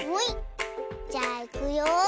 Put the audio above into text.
じゃあいくよ。